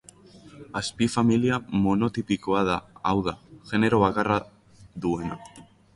Azpifamilia monotipikoa da, hau da, genero bakarra duena.